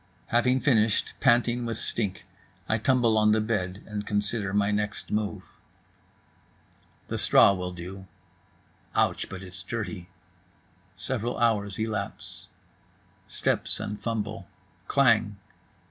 Having finished, panting with stink, I tumble on the bed and consider my next move. The straw will do. Ouch, but it's Dirty.—Several hours elapse…. Steps and fumble. Klang.